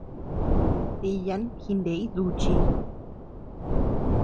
Diyan jiney duchii.